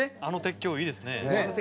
あの鉄橋いいですね。